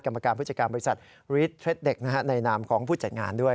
กรรมการพุจักรบริษัทฤทธิ์เด็กในนามของผู้จัดงานด้วย